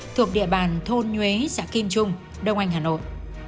thuộc địa bàn thôn nhuế xã kim trung đông anh hà nội